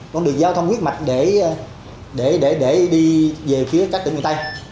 con đường giao thông quyết mạch để đi về phía các tỉnh người tây